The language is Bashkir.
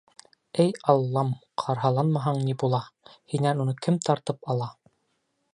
Эй, Аллам, ҡарһаланмаһаң ни була, һинән уны кем тартып ала?